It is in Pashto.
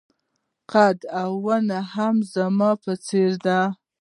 قد او ونه يې هم زما په څېر وه.